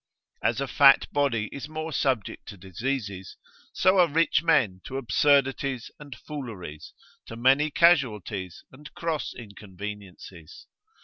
As a fat body is more subject to diseases, so are rich men to absurdities and fooleries, to many casualties and cross inconveniences.